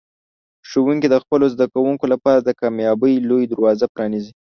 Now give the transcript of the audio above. ښوونکي د خپلو زده کوونکو لپاره د کامیابۍ لوی دروازه پرانیزي.